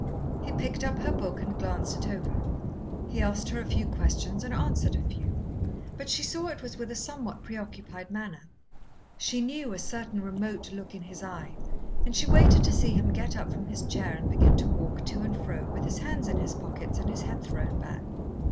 He picked up her book and glanced it over, he asked her a few questions and answered a few; but she saw it was with a somewhat preoccupied manner. She knew a certain remote look in his eye, and she waited to see him get up from his chair and begin to walk to and fro, with his hands in his pockets and his head thrown back.